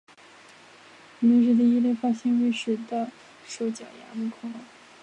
卢雷亚楼龙是第一类发现有胃石的兽脚亚目恐龙。